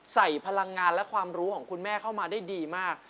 พลังงานและความรู้ของคุณแม่เข้ามาได้ดีมาก